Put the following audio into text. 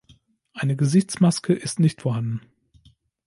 Eine Gesichtsmaske ist nicht vorhanden.